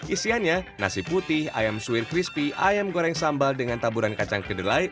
isiannya nasi putih ayam suir crispy ayam goreng sambal dengan taburan kacang kedelai